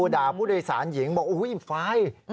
ด่าผู้โดยสารหญิงว่ายิมไฟส์